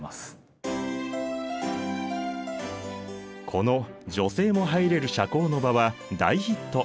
このこの女性も入れる社交の場は大ヒット！